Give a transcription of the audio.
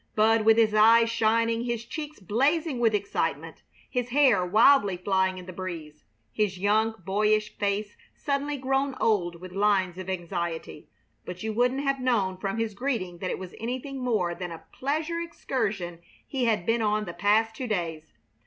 Bud with his eyes shining, his cheeks blazing with excitement, his hair wildly flying in the breeze, his young, boyish face suddenly grown old with lines of anxiety. But you wouldn't have known from his greeting that it was anything more than a pleasure excursion he had been on the past two days.